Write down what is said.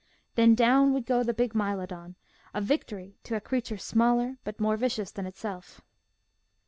Then down would go the big Mylodon, a victim to a creature smaller but more vicious than itself.